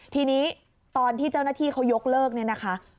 ทีนี้ตอนที่เจ้าหน้าที่เขายกเลิกเนี่ยนะคะ